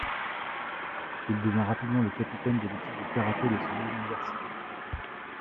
Il devient rapidement le capitaine de l'équipe de karaté de son université.